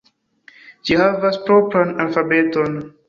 Ĝi havas propran alfabeton.